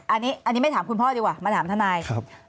อันนี้ไม่ถามคุณพ่อดีกว่ามาถามทนาย